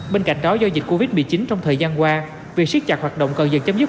bên cạnh đó do dịch covid bị chín trong thời gian qua việc siết chặt hoạt động cần dừng chấm dứt